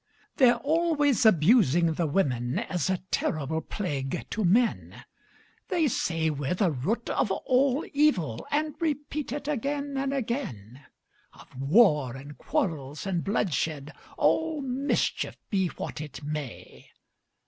They're always abusing the women, As a terrible plague to men; They say we're the root of all evil, And repeat it again and again Of war, and quarrels, and bloodshed, All mischief, be what it may.